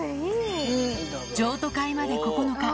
譲渡会まで９日。